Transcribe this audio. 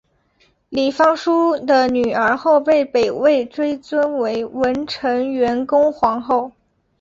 李方叔的女儿后被北魏追尊为文成元恭皇后。